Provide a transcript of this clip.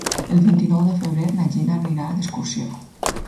El vint-i-nou de febrer na Gina anirà d'excursió.